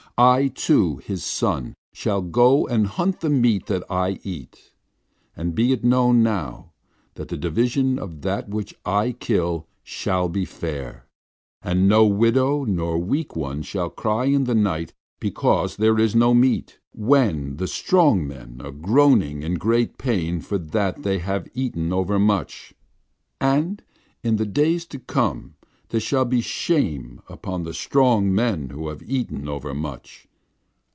I, too, his son, shall go and hunt the meat that I eat. And be it known, now, that the division of that which I kill shall be fair. And no widow nor weak one shall cry in the night because there is no meat, when the strong men are groaning in great pain for that they have eaten overmuch. And in the days to come there shall be shame upon the strong men who have eaten overmuch.